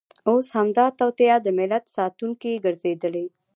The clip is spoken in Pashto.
اوس همدا توطیه د ملت ساتونکې ګرځېدلې.